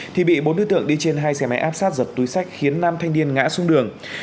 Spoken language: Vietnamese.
thì bị bốn đối tượng đi trên hai xe máy áp sát giật túi sách khiến nam thanh niên ngã xuống đường